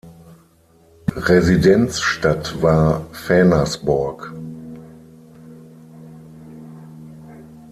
Residenzstadt war Vänersborg.